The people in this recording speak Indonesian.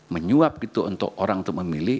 menyuap gitu untuk orang untuk memilih